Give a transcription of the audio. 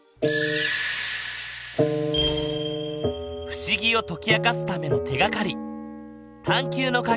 不思議を解き明かすための手がかり